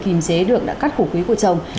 kìm chế được đã cắt khổ quý của chồng